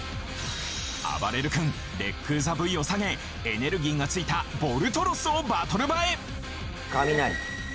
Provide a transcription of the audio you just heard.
あばれる君レックウザＶを下げエネルギーがついたボルトロスをバトル場へかみなり。